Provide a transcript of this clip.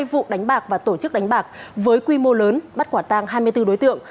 hai vụ đánh bạc và tổ chức đánh bạc với quy mô lớn bắt quả tang hai mươi bốn đối tượng